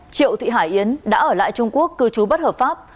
triệu thị hải yến đã ở lại trung quốc cư trú bất hợp pháp